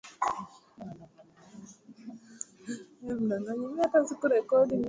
pia ilikuwa nchi ambayo ilikuwa na ukoloni katika nchi ya algeria